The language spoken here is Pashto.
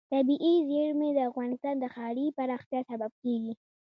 طبیعي زیرمې د افغانستان د ښاري پراختیا سبب کېږي.